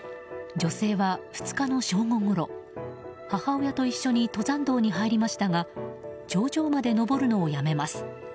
女性は２日の正午ごろ、母親と一緒に登山道に入りましたが頂上まで登るのをやめます。